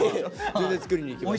全然作りに行きます。